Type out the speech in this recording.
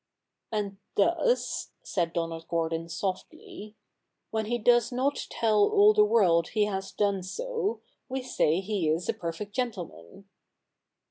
' And thus," said Donald (lOrdon softly, ' when he does not tell all the world he has done so, we say he is a perfect gentleman.'